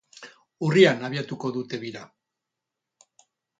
Urrian abiatuko dute bira.